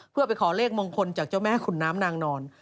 เพื่อไปขอเลขมงคลจากเจ้าแม่ขุนน้ำนางนอน